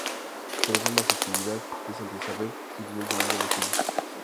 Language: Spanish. Celebra la festividad de Santa Isabel el primer domingo de julio.